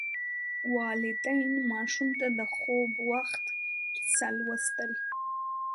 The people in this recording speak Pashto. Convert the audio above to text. والدین ماشوم ته د خوب وخت کیسه لوستل.